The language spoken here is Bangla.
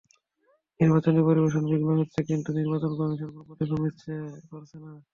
নির্বাচনী পরিবেশ বিঘ্ন হচ্ছে, কিন্তু নির্বাচন কমিশন কোনো পদক্ষেপ নিতে পারছে না।